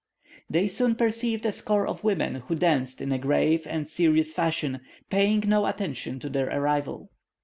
They soon perceived a score of women, who danced in a grave and serious fashion, paying no attention to their arrival.